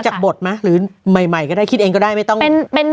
เขาถึงมาจากบทหรือใหม่ก็ได้ก็ได้คิดเองก็ได้ไม่ต้อง